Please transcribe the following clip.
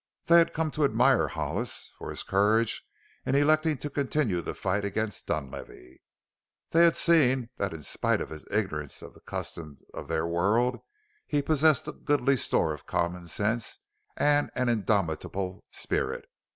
They had come to admire Hollis for his courage in electing to continue the fight against Dunlavey; they had seen that in spite of his ignorance of the customs of their world he possessed a goodly store of common sense and an indomitable spirit.